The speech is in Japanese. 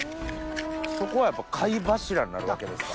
そこはやっぱ貝柱になるわけですか？